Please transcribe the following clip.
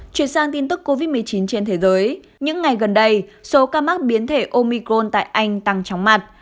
chuyển sang tin tức covid một mươi chín trên thế giới những ngày gần đây số ca mắc biến thể omicron tại anh tăng chóng mặt